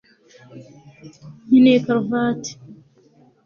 nkeneye karuvati